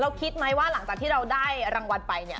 คิดไหมว่าหลังจากที่เราได้รางวัลไปเนี่ย